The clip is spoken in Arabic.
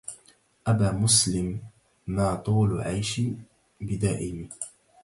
أبا مسلم ما طول عيش بدائم